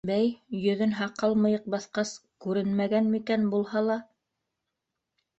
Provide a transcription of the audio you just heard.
Бәй, йөҙөн һаҡал- мыйыҡ баҫҡас, күренмәгән микән булһа ла?..